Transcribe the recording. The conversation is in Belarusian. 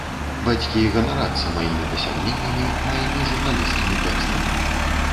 Бацькі ганарацца маімі дасягненнямі, маімі журналісцкімі тэкстамі.